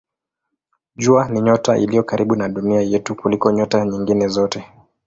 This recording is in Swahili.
Jua ni nyota iliyo karibu na Dunia yetu kuliko nyota nyingine zote.